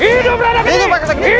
hidup rangga gini